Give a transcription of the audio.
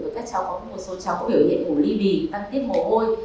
các cháu có một số cháu có biểu hiện ngủ ly bì tăng tiết mồ hôi